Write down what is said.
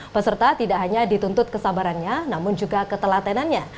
peserta tidak hanya dituntut kesabarannya namun juga ketelatenannya